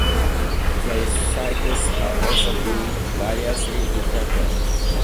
The lyrics have also been variously interpreted.